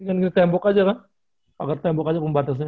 ini tembok aja kan agar tembok aja pembatasnya